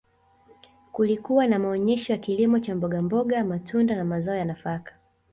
kulikuwa na maonesho ya kilimo cha mbogamboga matunda na mazao ya nafaka